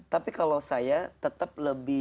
tapi kalau saya tetap